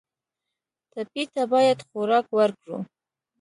ټپي ته باید خوراک ورکړو.